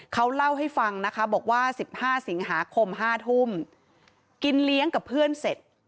เขาเล่าให้ฟังนะคะบอกว่า๑๕สิงหาคม๕ทุ่มกินเลี้ยงกับเพื่อนเสร็จ